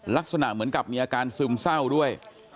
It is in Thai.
ลักษณะเหมือนกับมีอาการซึมเศร้าด้วย